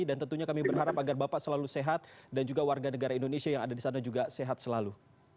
dan tentunya kami berharap agar bapak selalu sehat dan juga warga negara indonesia yang ada di sana juga sehat selalu